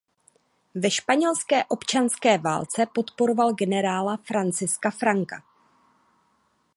Ve španělské občanské válce podporoval generála Franciska Franka.